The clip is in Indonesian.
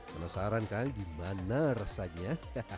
penasaran kan gimana rasanya